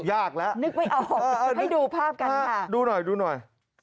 ยากแล้วนึกไม่ออกให้ดูภาพกันค่ะดูหน่อยดูหน่อย